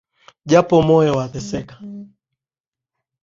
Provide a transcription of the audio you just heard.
Japo moyo wateseka